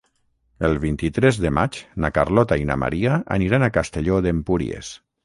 El vint-i-tres de maig na Carlota i na Maria aniran a Castelló d'Empúries.